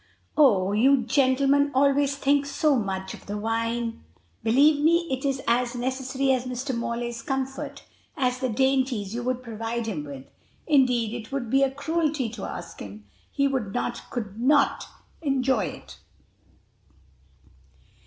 "Oh, you gentlemen always think so much of the wine!" "Believe me, it is as necessary to Mr. Morley's comfort as the dainties you would provide him with. Indeed, it would be a cruelty to ask him. He would not, could not, enjoy it."